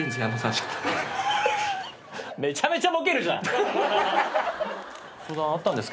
めちゃめちゃボケるじゃん！